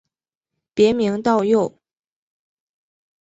别名道佑。